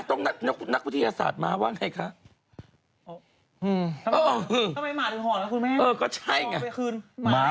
ต้องนักวิทยาศาสตร์มาว่าอะไรคะ